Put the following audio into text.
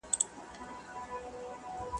o پردى مور، نه مور کېږي.